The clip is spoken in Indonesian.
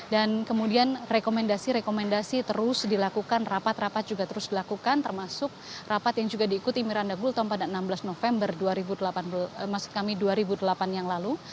dan kemudian rekomendasi rekomendasi terus dilakukan rapat rapat juga terus dilakukan termasuk rapat yang juga diikuti miranda gultom pada enam belas november dua ribu delapan yang lalu